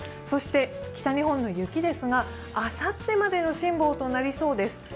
そして北日本の雪ですがあさってまでの辛抱となりそうです。